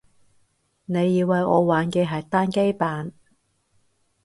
你以為我玩嘅係單機版